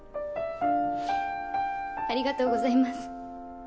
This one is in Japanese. ありがとうございます。